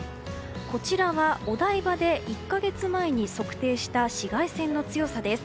こちらがお台場で１か月前に測定した紫外線の強さです。